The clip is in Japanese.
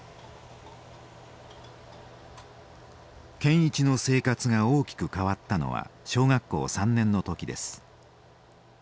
健一の生活が大きく変わったのは小学校３年の時です。